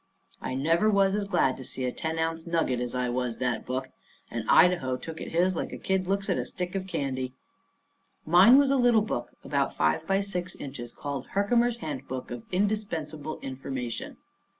I never was as glad to see a ten ounce nugget as I was that book. And Idaho took at his like a kid looks at a stick of candy. Mine was a little book about five by six inches called "Herkimer's Handbook of Indispensable Information."